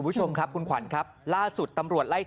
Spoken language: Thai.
กลุ่มคนเจ็บ๒คนนั้นก็คือที่โดนฟัน๑โดนยิงอีก๑